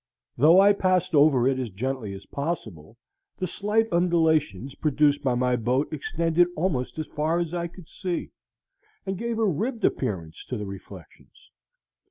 Though I passed over it as gently as possible, the slight undulations produced by my boat extended almost as far as I could see, and gave a ribbed appearance to the reflections.